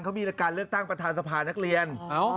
เขามีการเลือกตั้งประธานสภานักเรียน